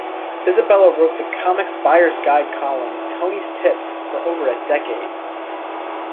Isabella wrote the "Comics Buyer's Guide" column "Tony's Tips" for over a decade.